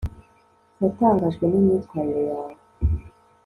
natangajwe n'imyitwarire yawe